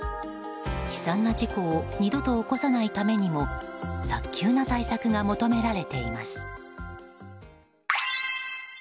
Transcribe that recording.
悲惨な事故を二度と起こさないためにも早急な対策が求められています。